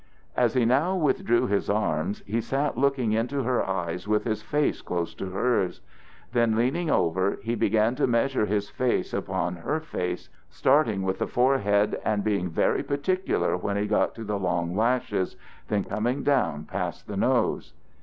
As he now withdrew his arms, he sat looking into her eyes with his face close to hers. Then leaning over, he began to measure his face upon her face, starting with the forehead, and being very particular when he got to the long eyelashes, then coming down past the nose.